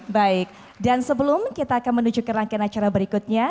baik dan sebelum kita akan menunjukkan rangkaian acara berikutnya